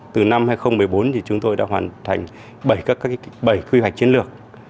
từ năm hai nghìn một mươi bốn chúng tôi đã hoàn thành bảy kế hoạch chiến lược